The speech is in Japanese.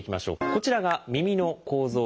こちらが耳の構造です。